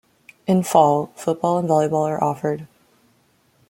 In fall, football and volleyball are offered.